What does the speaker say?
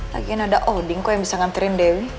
lagian ada holding kok yang bisa nganterin dewi